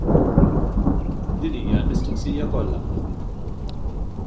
Dik hija l-mistoqsija kollha.